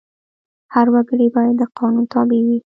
هر وګړی باید د قانون تابع وي.